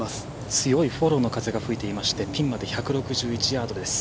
強いフォローの風が吹いていましてピンまで１６１ヤードです。